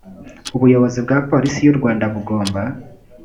ubuyobozi bwa polisi y u rwanda bugomba